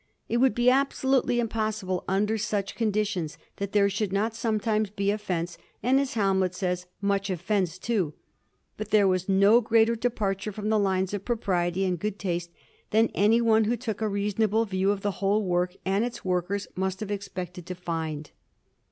It would be absolutely impossible under such conditions that there should not sometimes be offence, and, as Hamlet says, '^ much offence too." But there was no greater departure from the lines of propriety and good taste than any one who took a reasonable view of the whole work and its workers must have expected to find.